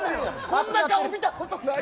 こんな顔見たことない。